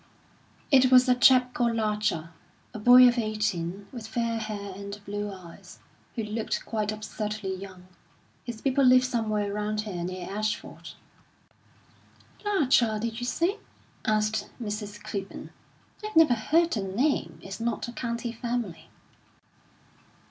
"It was a chap called Larcher, a boy of eighteen, with fair hair and blue eyes, who looked quite absurdly young. His people live somewhere round here, near Ashford." "Larcher, did you say?" asked Mrs. Clibborn, "I've never heard the name. It's not a county family."